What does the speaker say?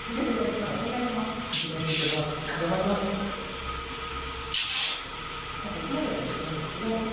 まあここまでは一緒なんですけど。